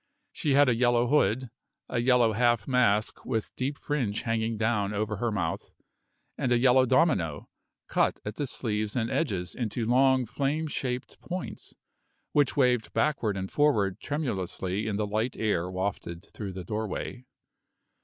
She had a yellow hood, a yellow half mask with deep fringe hanging down over her mouth, and a yellow domino, cut at the sleeves and edges into long flame shaped points, which waved backward and forward tremulously in the light air wafted through the doorway.